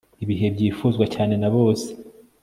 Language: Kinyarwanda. Ibihe byifuzwa cyane na bose